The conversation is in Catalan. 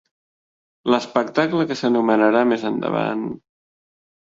L'espectacle que s'anomenarà més endavant...